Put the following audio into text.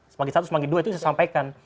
semangat satu semangat dua itu saya sampaikan